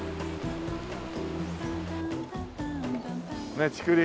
ねえ竹林。